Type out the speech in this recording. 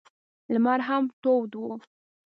لمر هم تود و.